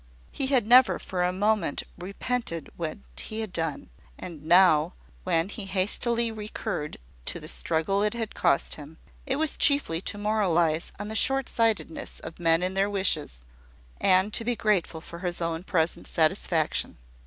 He had never for a moment repented what he had done; and now, when he hastily recurred to the struggle it had cost him, it was chiefly to moralise on the short sightedness of men in their wishes, and to be grateful for his own present satisfaction.